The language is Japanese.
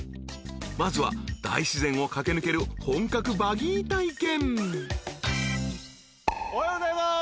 ［まずは大自然を駆け抜ける本格バギー体験！］おはようございます！